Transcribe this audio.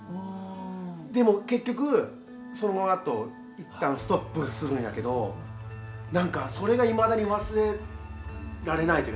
でも結局そのあと一旦ストップするんやけどなんかそれがいまだに忘れられないという。